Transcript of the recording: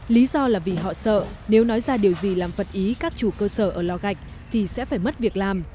lý do là vì họ sợ nếu nói ra điều gì làm vật ý các chủ cơ sở ở lò gạch thì sẽ phải mất việc làm